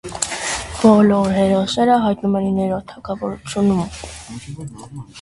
Բոլոր հերոսները հայտնվում են իններորդ թագավորությունում։